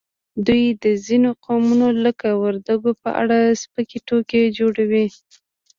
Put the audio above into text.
دوی د ځینو قومونو لکه وردګو په اړه سپکې ټوکې جوړوي